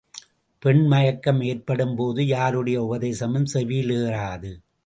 பெண் மயக்கம் ஏற்படும்போது யாருடைய உபதேசமும் செவியில் ஏறாது.